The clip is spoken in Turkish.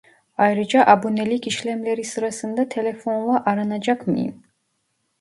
Ayrıca abonelik işlemleri sırasında telefonla aranacak mıyım